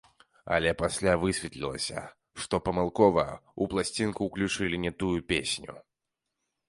Але пасля высветлілася, што памылкова ў пласцінку ўключылі не тую песню.